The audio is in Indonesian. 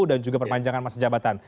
dan juga perpanjangan masa jabatan